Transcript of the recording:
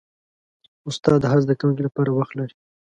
استاد د هر زده کوونکي لپاره وخت لري.